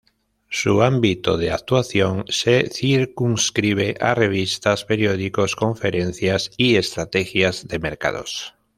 Su ámbito de actuación se circunscribe a revistas, periódicos, conferencias y estrategias de mercados.